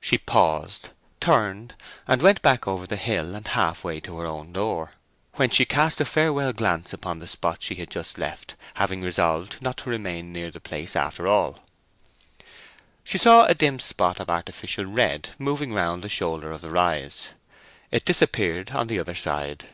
She paused, turned, went back over the hill and half way to her own door, whence she cast a farewell glance upon the spot she had just left, having resolved not to remain near the place after all. She saw a dim spot of artificial red moving round the shoulder of the rise. It disappeared on the other side.